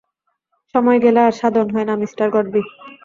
সময় গেলে আর সাধন হয় না, মিঃ গডবি!